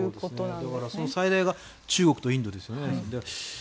だからその最大が中国とインドですよね。